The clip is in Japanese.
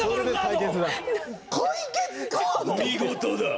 見事だ！